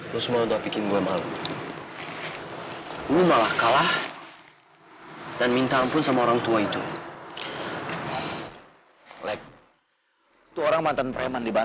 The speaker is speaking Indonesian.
thoran agility melakan bekas hangus terhadap masa